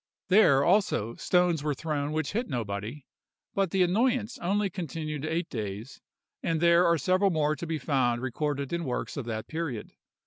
There, also, stones were thrown which hit nobody, but the annoyance only continued eight days; and there are several more to be found recorded in works of that period.